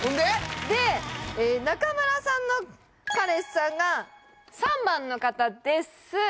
で中村さんの彼氏さんが３番の方です